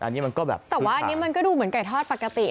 อันนี้มันก็แบบแต่ว่าอันนี้มันก็ดูเหมือนไก่ทอดปกติ